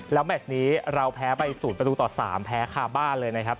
แล้วแมชนี้เราแพ้ไป๐ประตูต่อ๓แพ้คาบ้านเลยนะครับ